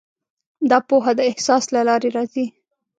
دا پوهه د احساس له لارې راځي.